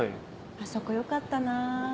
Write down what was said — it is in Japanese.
あそこ良かったな。